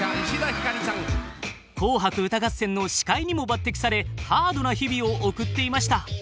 「紅白歌合戦」の司会にも抜てきされハードな日々を送っていました。